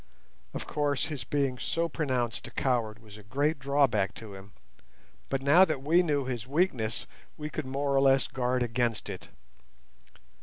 Of course, his being so pronounced a coward was a great drawback to him, but now that we knew his weakness we could more or less guard against it.